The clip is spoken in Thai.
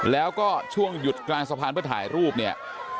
แล้วก็ช่วงหยุดกลางสะพานเพื่อถ่ายรูปเนี่ย